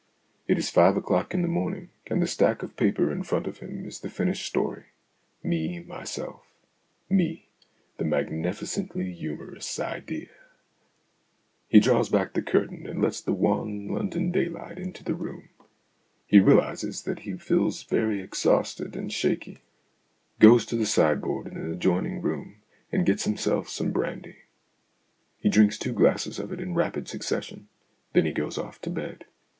It is five o'clock in the morning, and the stack of paper in front of him is the finished story me myself me, the magnificently humorous idea. He draws back the curtain and lets the wan London daylight into the room. He realizes that he feels very exhausted and shaky, goes to the STORIES IN GREY sideboard in an adjoining room, and gets himsell some brandy. He drinks two glasses of it in rapid succession ; then he goes off to bed.